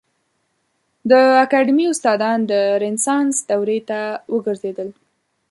د اکاډمي استادان د رنسانس دورې ته وګرځېدل.